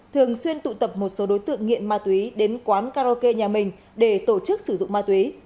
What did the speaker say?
thường xuyên tụ tập một số đối tượng nghiện ma túy đến quán karaoke nhà mình để tổ chức sử dụng ma túy